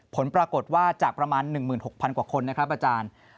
ผลปรากฏว่าจากประมาณ๑๖๐๐กว่าคนนะครับอาจารย์